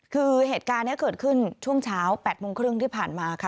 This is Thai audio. คือเหตุการณ์นี้เกิดขึ้นช่วงเช้า๘โมงครึ่งที่ผ่านมาค่ะ